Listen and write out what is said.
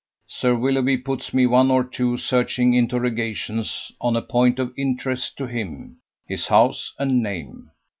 Sir Willoughby puts me one or two searching interrogations on a point of interest to him, his house and name.